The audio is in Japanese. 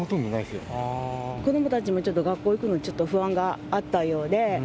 子どもたちもちょっと学校行くのに不安があったようで。